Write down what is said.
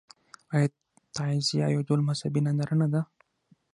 آیا تعزیه یو ډول مذهبي ننداره نه ده؟